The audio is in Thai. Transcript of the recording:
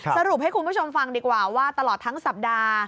สรุปให้คุณผู้ชมฟังดีกว่าว่าตลอดทั้งสัปดาห์